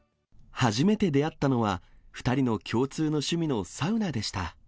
初めて出会ったのは、２人の共通の趣味のサウナでした。